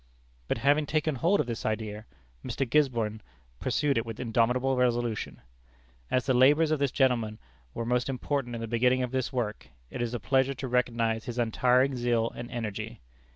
But having taken hold of this idea, Mr. Gisborne pursued it with indomitable resolution. As the labors of this gentleman were most important in the beginning of this work, it is a pleasure to recognize his untiring zeal and energy.